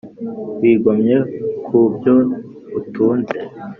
wigomye ku byo utunze